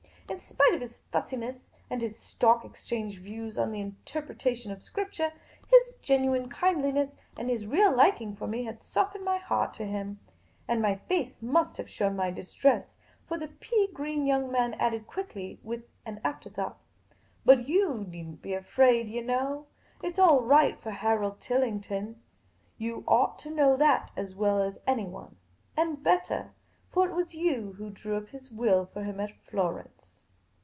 In spite of his fussiness and his Stock Exchange views on the interpretation of Scripture, his genuine kindliness and his real liking for me had softened my heart to him ; and my face must have shown my distress, for the pea green young man added quickly with an afterthought :" But j'Oit need n't be afraid, yah know. It 's all right for Harold Tillington. You ought to know that as well as anyone — and bettah ; for it was you who drew up his will for him at Florence."